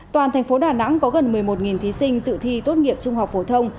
toàn thành phố đà nẵng có gần một mươi một thí sinh dự thi tốt nghiệp trung học phổ thông